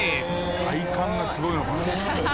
「体幹がすごいのか」